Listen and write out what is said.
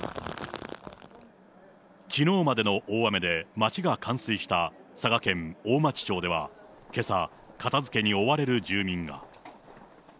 きのうまでの大雨で町が冠水した佐賀県大町町では、けさ、片づけに追われる住民が。